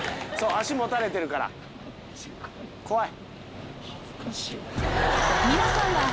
脚持たれてるから怖い。